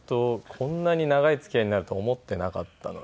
こんなに長い付き合いになると思っていなかったので。